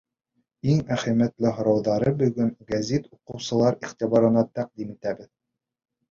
Иң әһәмиәтле һорауҙарҙы бөгөн гәзит уҡыусылар иғтибарына тәҡдим итәбеҙ.